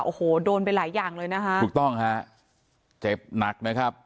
โอ้โหโดนไปหลายอย่างเลยนะคะถูกต้องฮะเจ็บหนักนะครับ